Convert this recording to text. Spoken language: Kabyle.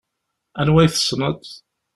Anwa i tessneḍ?